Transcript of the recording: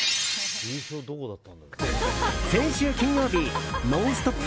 先週金曜日「ノンストップ！」